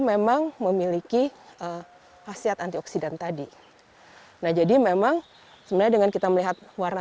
memang memiliki khasiat antioksidan tadi nah jadi memang sebenarnya dengan kita melihat warna